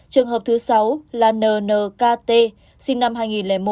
trường hợp thứ sáu là nkt sinh năm hai nghìn một